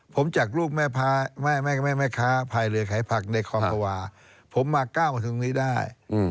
ผมจากลูกแม่ค้าภายเรือไข่ผักในความภาวะผมมาก้าวถึงนี้ได้